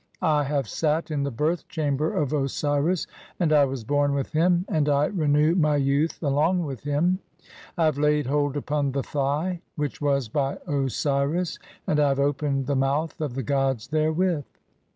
(7) I have sat in the birth chamber of Osiris, and I "was born with him, and I renew my youth along with him. "I have laid hold upon the Thigh which was by Osiris, (8) and "I have opened the mouth of the gods therewith.